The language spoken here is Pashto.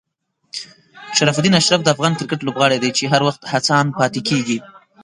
شرف الدین اشرف د افغان کرکټ لوبغاړی دی چې هر وخت هڅاند پاتې کېږي.